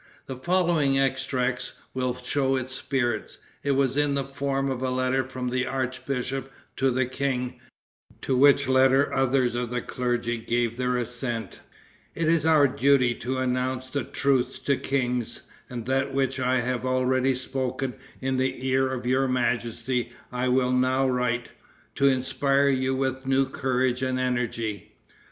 The following extracts will show its spirit. It was in the form of a letter from the archbishop to the king; to which letter others of the clergy gave their assent: "It is our duty to announce the truth to kings, and that which I have already spoken in the ear of your majesty I now write, to inspire you with new courage and energy.